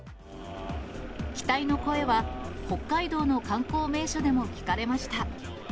期待の声は、北海道の観光名所でも聞かれました。